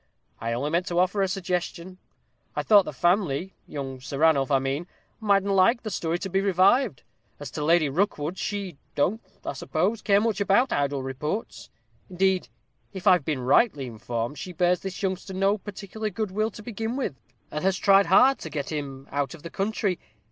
I only meant to offer a suggestion. I thought the family, young Sir Ranulph, I mean, mightn't like the story to be revived. As to Lady Rookwood, she don't, I suppose, care much about idle reports. Indeed, if I've been rightly informed, she bears this youngster no particular good will to begin with, and has tried hard to get him out of the country.